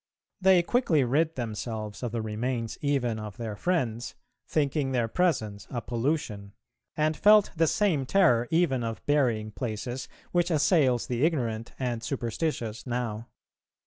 They quickly rid themselves of the remains even of their friends, thinking their presence a pollution, and felt the same terror even of burying places which assails the ignorant and superstitious now.